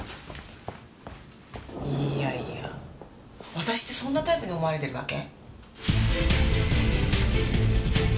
いやいや私ってそんなタイプに思われてるわけ？